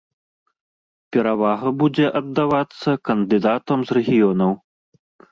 Перавага будзе аддавацца кандыдатам з рэгіёнаў.